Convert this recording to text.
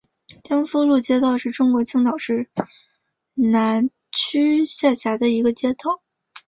江苏路街道是中国青岛市市南区下辖的一个街道。